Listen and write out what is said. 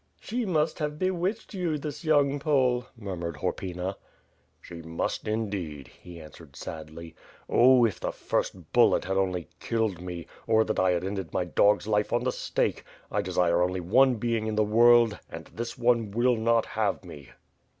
"She must have bewitched you, this young Pole," mur mured Horpyna. "She must, indeed," he answered sadly. "Oh, if the first bullet had only killed me, or tha;t I had ended my dog's life on the stake. ... I desire only one being in the world, and this one will not have me."